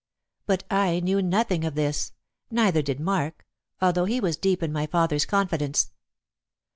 But I knew nothing of this, neither did Mark, although he was deep in my father's confidence.